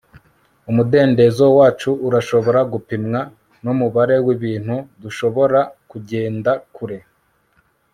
umudendezo wacu urashobora gupimwa n'umubare w'ibintu dushobora kugenda kure